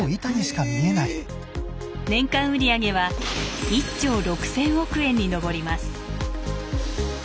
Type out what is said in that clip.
年間売り上げは１兆６，０００億円に上ります。